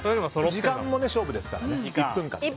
時間も勝負ですから、１分間。